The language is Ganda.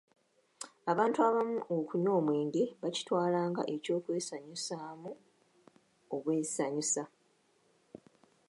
Abantu abamu okunywa omwenge bakitwala nga eky'okwesanyusaamu obwesanyusa.